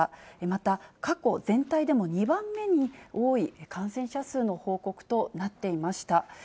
また、過去全体でも２番目に多い感染者数の報告となっていました。